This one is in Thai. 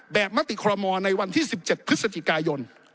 มติคอรมอลในวันที่๑๗พฤศจิกายน